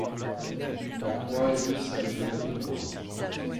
La croix est lisse avec des nœuds de bois.